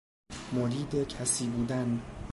مرید کسی بودن